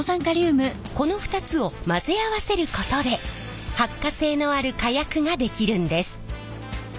この２つを混ぜ合わせることで発火性のある火薬が出来るんです。